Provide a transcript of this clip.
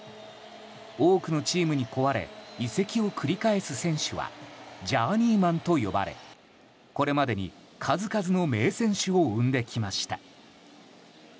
多くのチームに請われ移籍を繰り返す選手はジャーニーマンと呼ばれこれまでに数々の名選手を生んできました。